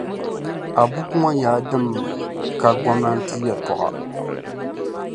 A buku ŋɔ nyɛla din ka gomnanti yɛltɔɣa.